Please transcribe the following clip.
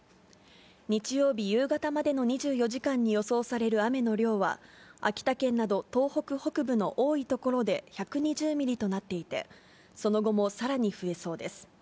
日曜日夕方までの２４時間に予想される雨の量は、秋田県など東北北部の多い所で１２０ミリとなっていて、その後もさらに増えそうです。